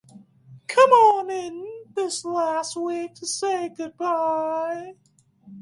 Come on in this last week to say goodbye.